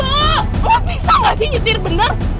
mau pisah nggak sih nyetir bener